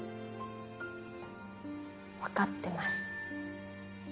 分かってます。